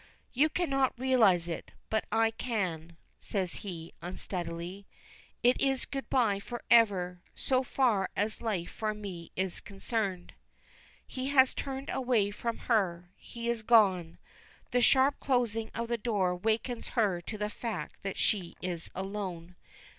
"You cannot realize it, but I can," says he, unsteadily. "It is good bye forever, so far as life for me is concerned." He has turned away from her. He is gone. The sharp closing of the door wakens her to the fact that she is alone.